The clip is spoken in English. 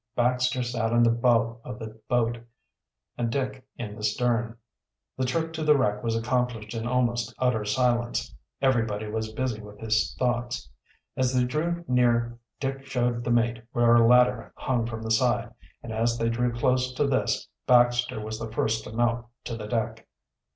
Baxter sat in the bow of the boat, and Dick in the stern. The trip to the wreck was accomplished in almost utter silence. Everybody was busy with his thoughts. As they drew near Dick showed the mate where a ladder hung from the side, and as they drew close to this Baxter was the first to mount to the deck.